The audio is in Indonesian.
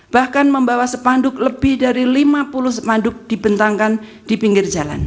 bahkan membawa sepanduk lebih dari lima puluh sepanduk dibentangkan di pinggir jalan